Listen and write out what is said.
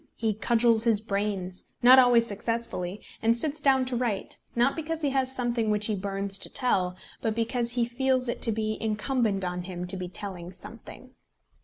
He cudgels his brains, not always successfully, and sits down to write, not because he has something which he burns to tell, but because he feels it to be incumbent on him to be telling something.